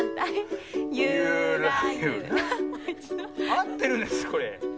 あってるんですかこれ？